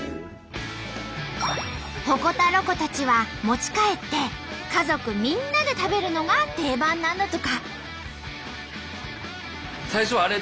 鉾田ロコたちは持ち帰って家族みんなで食べるのが定番なんだとか。